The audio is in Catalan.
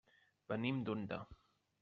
Venim d'Onda.